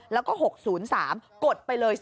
แล้วก็๖๐๓กดไปเลย